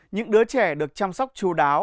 những đứa trẻ được chăm sóc chú đáo